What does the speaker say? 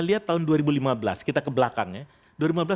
lihat tahun dua ribu lima belas kita ke belakang ya